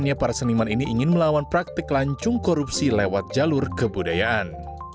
akhirnya para seniman ini ingin melawan praktik lancung korupsi lewat jalur kebudayaan